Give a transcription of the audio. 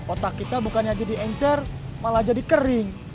otak kita bukannya jadi encer malah jadi kering